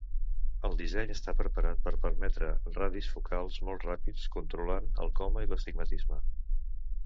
El disseny està preparat per permetre radis focals molt ràpids controlant el coma i l'astigmatisme.